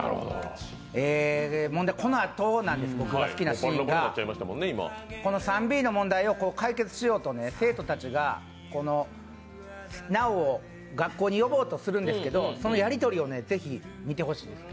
このあと、僕が好きなシーンがこの３Ｂの問題を解決しようと生徒たちが直を学校に呼ぼうとするんですけどそのやりとりをぜひ、見てほしいんです。